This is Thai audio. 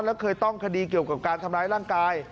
แล้วเคยต้องคดีเกี่ยวกับการทำร้ายร่างกาย